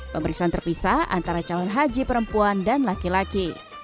pemeriksaan terpisah antara calon haji perempuan dan laki laki